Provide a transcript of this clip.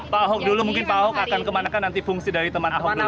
pak ahok dulu mungkin pak ahok akan kemanakan nanti fungsi dari teman ahok dulu